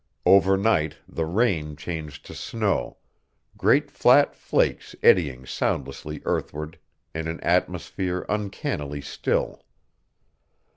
Overnight the rain changed to snow, great flat flakes eddying soundlessly earthward in an atmosphere uncannily still.